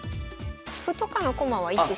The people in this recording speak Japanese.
歩とかの駒は１手しか。